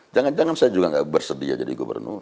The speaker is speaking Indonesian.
jangan jangan saya juga nggak bersedia jadi gubernur